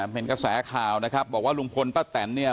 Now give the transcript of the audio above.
เป็นกระแสข่าวนะครับบอกว่าลุงพลป้าแตนเนี่ย